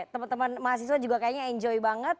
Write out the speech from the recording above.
teman teman mahasiswa juga kayaknya enjoy banget